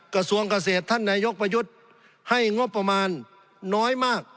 กระทรวงเกษตรท่านนายกประยุทธ์ให้งบประมาณน้อยมาก